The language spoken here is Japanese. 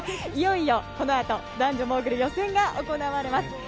いよいよ、このあと男女モーグル予選が行われます。